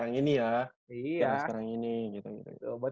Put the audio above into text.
sekarang sekarang ini ya